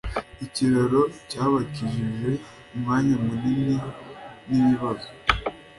ikiraro cyabakijije umwanya munini nibibazo.